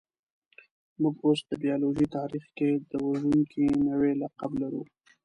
موږ اوس د بایولوژۍ تاریخ کې د وژونکي نوعې لقب لرو.